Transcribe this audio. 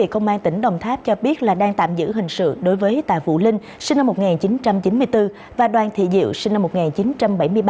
công an tỉnh đồng tháp cho biết là đang tạm giữ hình sự đối với tài vụ linh sinh năm một nghìn chín trăm chín mươi bốn và đoàn thị diệu sinh năm một nghìn chín trăm bảy mươi ba